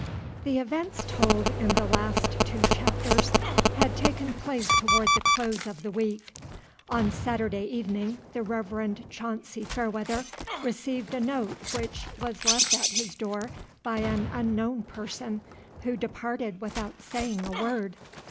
The events told in the last two chapters had taken place toward the close of the week. On Saturday evening the Reverend Chauncy Fairweather received a note which was left at his door by an unknown person who departed without saying a word.